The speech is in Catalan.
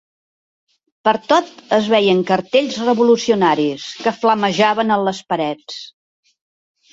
Pertot es veien cartells revolucionaris, que flamejaven en les parets